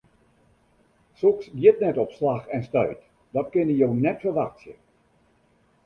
Soks giet net op slach en stuit, dat kinne jo net ferwachtsje.